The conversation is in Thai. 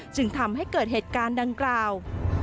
จึงทำให้เกิดเหตุการณ์ดังกล่าว